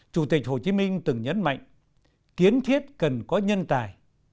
chủ tịch hồ chí minh từng nhấn mạnh kiến thiết cần có nhân tài